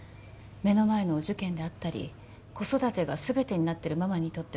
目の前のお受験であったり子育てが全てになってるママにとってはきついのよ。